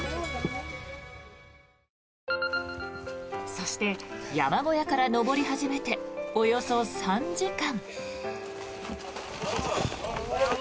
そして、山小屋から登り始めておよそ３時間。